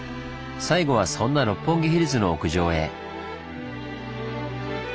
最後はそんな六本木ヒルズの屋上へ。